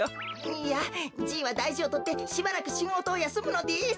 いやじいはだいじをとってしばらくしごとをやすむのです。